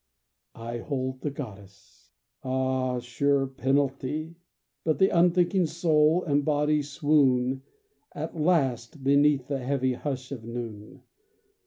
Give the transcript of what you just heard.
I hold the goddess! Ah, sure penalty! But the unthinking soul and body swoon At last beneath the heavy hush of noon.